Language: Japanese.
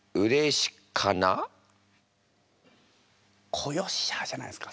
「子よっしゃあ」じゃないですか？